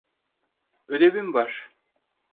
Ödevim var.